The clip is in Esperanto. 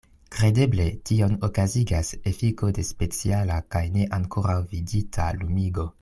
Kredeble tion okazigas efiko de speciala kaj ne ankoraŭ vidita lumigo.